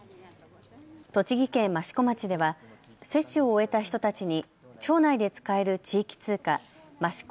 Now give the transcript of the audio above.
栃木県益子町では接種を終えた人たちに町内で使える地域通貨、ましこ